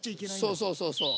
そうそうそうそう。